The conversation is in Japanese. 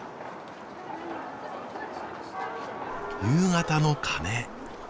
夕方の鐘。